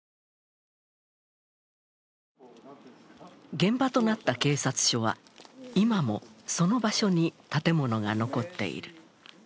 現場となった警察署は今もその場所に建物が残っている。